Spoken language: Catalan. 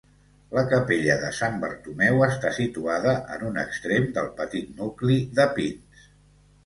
La capella de Sant Bartomeu està situada en un extrem del petit nucli de Pins.